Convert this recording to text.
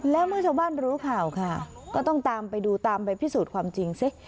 แล้วเมื่อชาวบ้านรู้ข่าวค่ะก็ต้องตามไปดูตามไปพิสูจน์ความจริงซิ